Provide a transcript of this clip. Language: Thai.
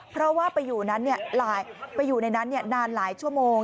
เพราะว่าไปอยู่ในนั้นนานหลายชั่วโมง